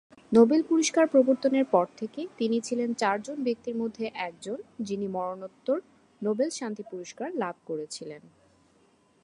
Nobel পুরস্কার প্রবর্তনের পর থেকে তিনি ছিলেন চার জন ব্যক্তির মধ্যে একজন, যিনি মরণোত্তর নোবেল শান্তি পুরস্কার লাভ করেছিলেন।